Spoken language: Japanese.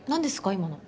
今の。